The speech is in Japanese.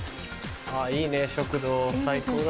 いいね食堂最高だ。